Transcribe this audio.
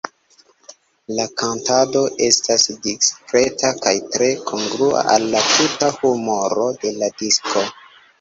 La kantado estas diskreta kaj tre kongrua al la tuta humoro de la disko.